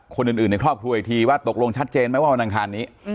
คนอื่นในครอบครัวอีกทีว่าตกลงชัดเจนไหมว่าวันอังคารนี้